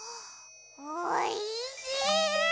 おいしい！